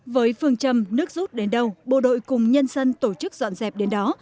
với phương châm nước rút đến đâu bộ đội cùng nhân dân tổ chức dọn dẹp đến đó